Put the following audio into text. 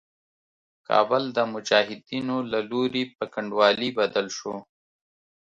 کابل د مجاهدينو له لوري په کنډوالي بدل شو.